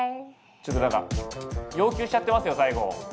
ちょっとなんか要求しちゃってますよ最後。